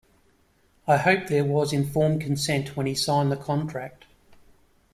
I hope there was informed consent when he signed the contract.